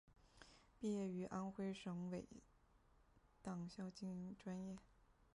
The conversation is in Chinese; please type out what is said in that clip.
毕业于安徽省委党校经管专业。